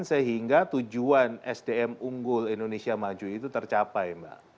sehingga tujuan sdm unggul indonesia maju itu tercapai mbak